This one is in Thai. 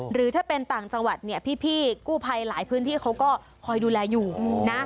หรือถ้าเป็นต่างจังหวัดเนี่ยพี่กู้ภัยหลายพื้นที่เขาก็คอยดูแลอยู่นะ